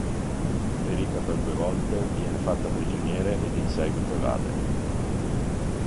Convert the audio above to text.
Ferita per due volte viene fatta prigioniera ed in seguito evade.